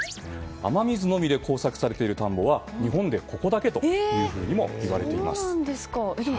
雨水のみで耕作されている田んぼは日本でここだけといわれています。